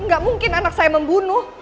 gak mungkin anak saya membunuh